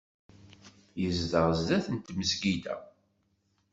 Yezdeɣ sdat tmesgida.